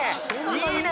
いいね！